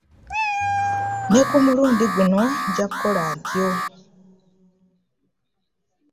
Ne ku mulundi guno nja kukola ntyo.